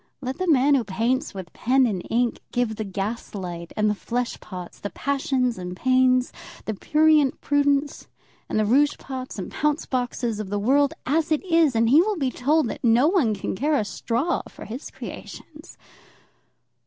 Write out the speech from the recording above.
Let the man who paints with pen and ink give the gas light, and the flesh pots, the passions and pains, the prurient prudence and the rouge pots and pounce boxes of the world as it is, and he will be told that no one can care a straw for his creations.